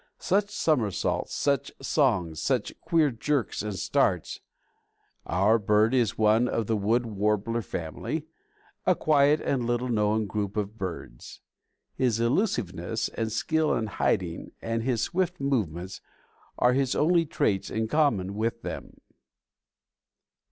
Such somersaults, such songs, such queer jerks and starts. Our bird is one of the Wood Warbler family, a quiet and little known group of birds. His elusiveness and skill in hiding, and his swift movements, are his only traits in common with them.